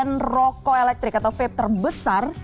yang memiliki penyumbang rokok elektrik atau vape terbesar